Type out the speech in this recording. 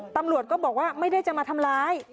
ตำรวจก็บอกว่าไม่ได้จะมาทำร้าย